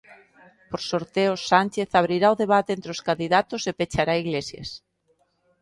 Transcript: Por sorteo, Sánchez abrirá o debate entre os candidatos e pechará Iglesias.